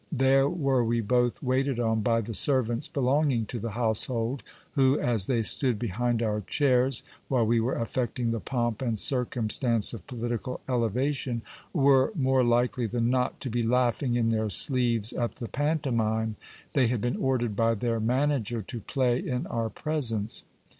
There were 'we both waited on by the servants belonging to the household, who as they stood behind our chairs, while we were affecting the pomp and circumstance of political elevation, were more likely than not to be laughing in their sleeves at the pantomime they had been ordered by their manager to play in our presence.